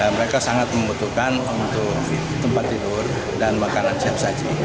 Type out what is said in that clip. mereka sangat membutuhkan untuk tempat tidur dan makanan siap saji